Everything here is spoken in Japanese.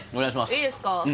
はいいいですか？